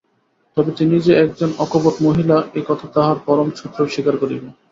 তবে তিনি যে একজন অকপট মহিলা, এ-কথা তাঁহার পরম শত্রুও স্বীকার করিবে।